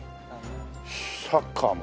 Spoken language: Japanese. サッカーも。